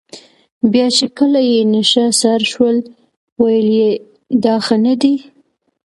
بیا چې کله یې نشه سر شول ویل یې دا ښه نه دي.